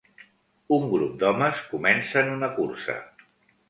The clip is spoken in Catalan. Un grup d'homes comencen una cursa.